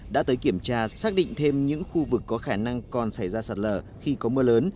đã tới kiểm tra xác định thêm những khu vực có khả năng còn xảy ra sạt lở khi có mưa lớn